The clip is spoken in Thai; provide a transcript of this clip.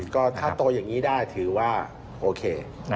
ก็ถ้าโตอย่างนี้ได้ถือว่าโอเค